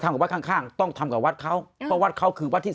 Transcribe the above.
ทำบัตรข้างต้องทำกับวัฒน์เขาเพราะวัฒน์เขาคือวัฒน์ที่